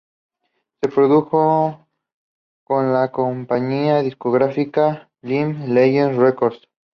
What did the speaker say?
Se produjo con la compañía discográfica Ivy League Records.